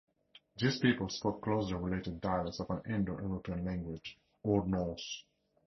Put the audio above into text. These peoples spoke closely related dialects of an Indo-European language, Old Norse.